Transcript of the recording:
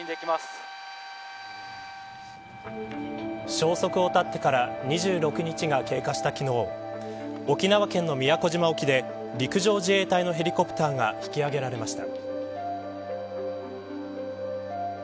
消息を絶ってから２６日が経過した昨日沖縄県の宮古島沖で陸上自衛隊のヘリコプターが引き揚げられました。